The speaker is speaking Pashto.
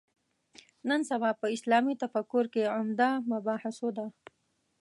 نن سبا په اسلامي تفکر کې عمده مباحثو ده.